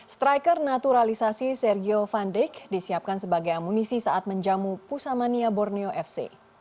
striker naturalisasi sergio van dijk disiapkan sebagai amunisi saat menjamu pusamania borneo fc